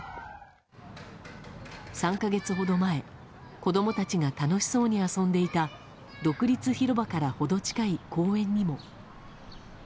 ３か月ほど前、子供たちが楽しそうに遊んでいた独立広場から程近い公園にも。